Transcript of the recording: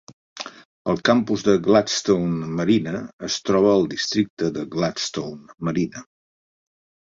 El campus de Gladstone Marina es troba al districte de Gladstone Marina.